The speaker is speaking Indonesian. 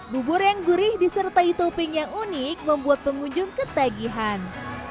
bubur yang gurih disertai topping yang unik membuat pengunjung ketagihan